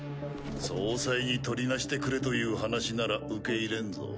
総裁にとりなしてくれという話なら受け入れんぞ。